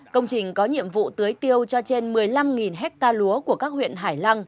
công trình có nhiệm vụ tưới tiêu cho trên một mươi năm hectare lúa của các huyện hải lăng